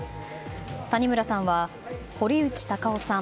谷村さんは、堀内孝雄さん